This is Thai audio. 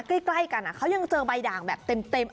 ใกล้กันเขายังเจอใบด่างแบบเต็ม